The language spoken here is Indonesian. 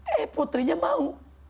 eh putrinya mau